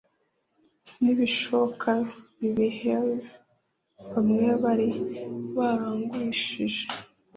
Nibishoka bibihelve bamwe bari barangurishije